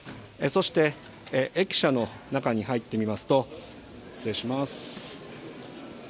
そして駅舎の中に入ってみますと、失礼します。